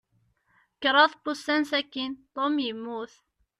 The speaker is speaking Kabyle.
Kṛaḍ n wussan sakin, Tom yemmut.